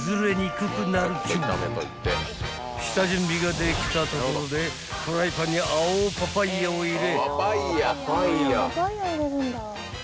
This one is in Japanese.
［下準備ができたところでフライパンに青パパイヤを入れ］